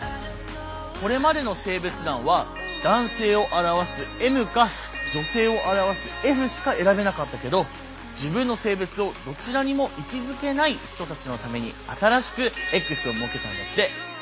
これまでの性別欄は男性を表すＭか女性を表すＦしか選べなかったけど自分の性別をどちらにも位置づけない人たちのために新しくＸを設けたんだって。